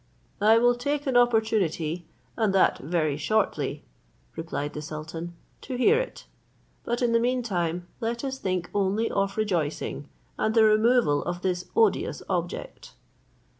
"I will take an opportunity, and that very shortly," replied the sultan, "to hear it; but in the mean time let us think only of rejoicing, and the removal of this odious object."